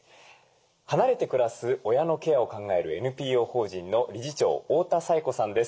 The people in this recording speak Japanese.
離れて暮らす親のケアを考えるＮＰＯ法人の理事長太田差惠子さんです。